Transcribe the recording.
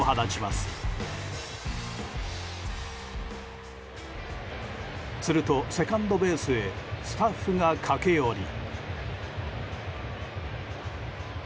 すると、セカンドベースへスタッフが駆け寄り。